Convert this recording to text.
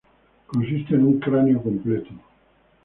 Consiste en un cráneo completo.